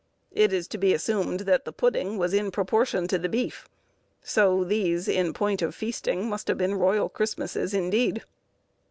It is to be assumed that the pudding was in proportion to the beef; so these, in point of feasting, must have been royal Christmasses indeed.